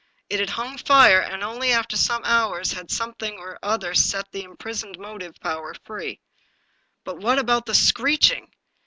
It had hung fire, and only after some hours had something or other set the imprisoned motive power free. But what about the screeching?